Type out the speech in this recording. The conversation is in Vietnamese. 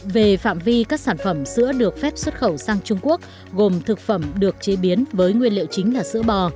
về phạm vi các sản phẩm sữa được phép xuất khẩu sang trung quốc gồm thực phẩm được chế biến với nguyên liệu chính là sữa bò